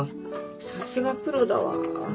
さすがプロだわ。